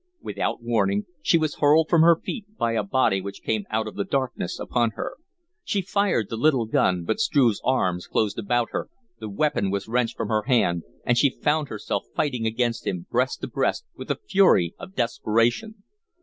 Without warning, she was hurled from her feet by a body which came out of the darkness upon her. She fired the little gun, but Struve's arms closed about her, the weapon was wrenched from her hand, and she found herself fighting against him, breast to breast, with the fury of desperation.